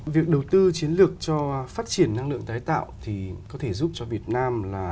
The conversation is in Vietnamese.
việc đầu tư chiến lược cho phát triển năng lượng tái tạo thì có thể giúp cho việt nam là